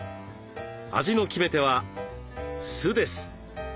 味の決め手は酢です。